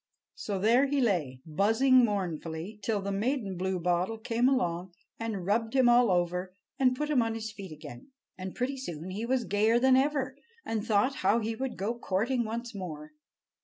So there he lay, buzzing mournfully, till the maiden bluebottle came along and rubbed him all over, and put him on his feet again. And pretty soon he was gayer than ever, and thought how he would go courting once more.